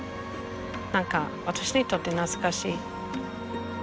何か私にとって懐かしい。